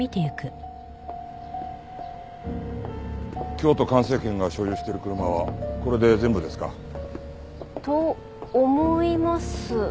京都環生研が所有してる車はこれで全部ですか？と思います。